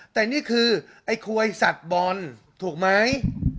แต่นี่คือไอ้ควยสัตว์บอลถูกไหม